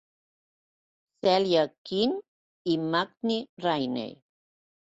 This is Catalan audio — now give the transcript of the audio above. Celia Quinn i Madge Rainey.